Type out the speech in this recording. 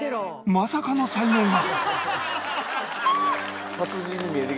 まさかの才能が